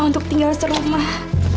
untuk tinggal serumah